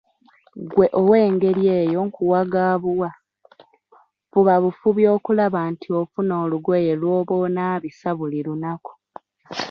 Ggwe ow'engeri eyo nkuwa ga buwa, fuba bufubi okulaba nti ofuna olugoye lw'oba onaabisa buli lunaku.